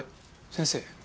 先生。